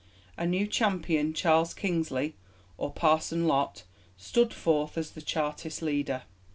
A new champion, Charles Kingsley, or 'Parson Lot,' stood forth as the Chartist leader.